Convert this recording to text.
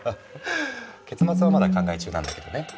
結末はまだ考え中なんだけどね。